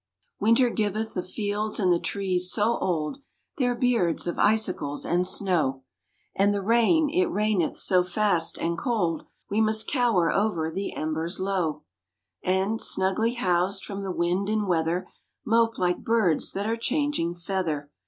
Winter giveth the fields and the trees, so old, Their beards of icicles and snow; And the rain, it raineth so fast and cold, We must cower over the embers low; And, snugly housed from the wind and weather, Mope like birds that are changing feather.